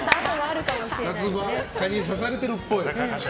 夏場、蚊に刺されてるっぽい。